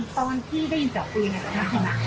ตอนที่ได้ยินเสียงปืนอย่างนั้นค่ะ